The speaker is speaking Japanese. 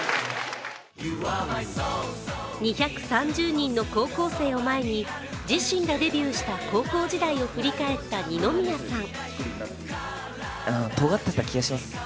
２３０人の高校生を前に自身がデビューした高校時代を振り返った二宮さん。